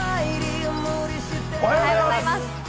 おはようございます。